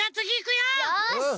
よし！